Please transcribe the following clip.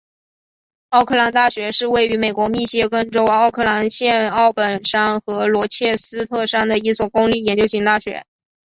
奥克兰大学是位于美国密歇根州奥克兰县奥本山和罗切斯特山的一所公立研究型大学。